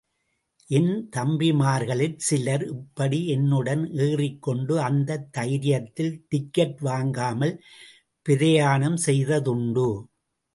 என் தம்பிமார்களில் சிலர் இப்படி என்னுடன் ஏறிக்கொண்டு அந்தத் தைரியத்தில் டிக்கட் வாங்காமல் பிரயாணம் செய்ததுண்டு.